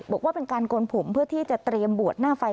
บอกว่าเป็นการโกนผมเพื่อที่จะเตรียมบวชหน้าไฟ